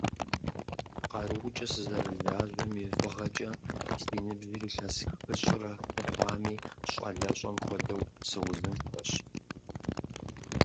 КъарукӀэ сызэрылажьэм и фӀыгъэкӀэ, си ныбжьыр илъэс хыщӏрэ хы хъуами, щӀалэщӀэм хуэдэу, сыузыншэщ.